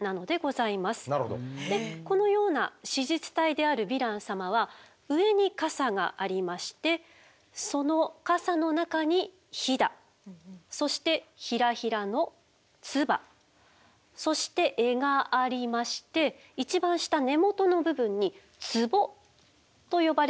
でこのような子実体であるヴィラン様は上にカサがありましてそのカサの中にヒダそしてひらひらのツバそして柄がありまして一番下根元の部分にツボと呼ばれる部分がございます。